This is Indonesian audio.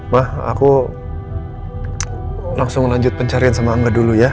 bah aku langsung lanjut pencarian sama angga dulu ya